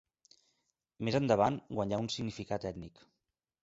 Més endavant guanyà un significat ètnic.